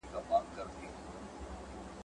په وطن کي که پاچا که واکداران دي `